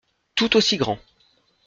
Tout aussi grand.